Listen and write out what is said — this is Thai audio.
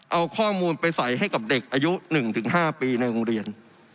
เอาข้อมูลไปใส่ให้กับเด็กอายุ๑๕ปีในโรงเรียน